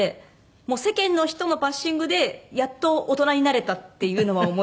もう世間の人のバッシングでやっと大人になれたっていうのは思います。